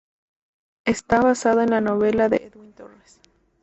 Está basada en la novela de Edwin Torres.